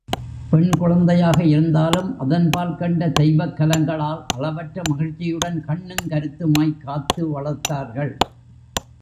பெண்குழந்தையாக இருந்தாலும் அதன்பால் கண்ட தெய்வங்கலங்களால் அளவற்ற மகிழ்ச்சியுடன் கண்ணுங் கருத்துமாய்க் காத்து வளர்த்தார்கள்.